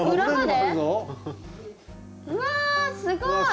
うわすごい！